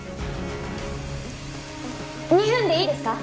２分でいいですか？